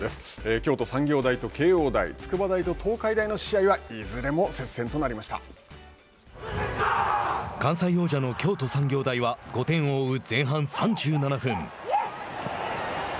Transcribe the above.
京都産業大と慶応大筑波大と東海大の試合は関西王者の京都産業大は５点を追う前半３７分。